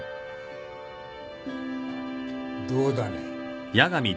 どうだね？